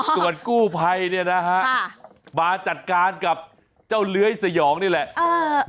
อย่างกูไพเนี้ยนะคะฮะมาจัดการกับเจ้าเลื้อยสยองก์นี่แหละเออ